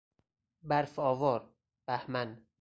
برف آوار، بهمن